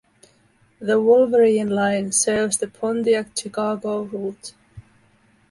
The Wolverine line serves the Pontiac-Chicago route.